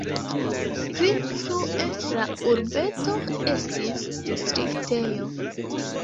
Pli frue la urbeto estis distriktejo.